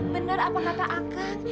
bener apa kata akang